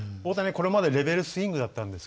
これまでレベルスイングだったんですけど。